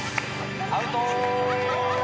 アウト！